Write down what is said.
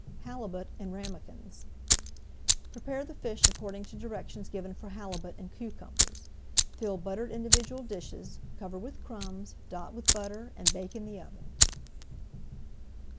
HALIBUT IN RAMEKINS Prepare the fish according to directions given for Halibut in Cucumbers. Fill buttered individual dishes, cover with crumbs, dot with butter, and bake in the oven.